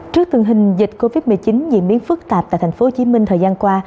trước tình hình dịch covid một mươi chín diễn biến phức tạp tại tp hcm thời gian qua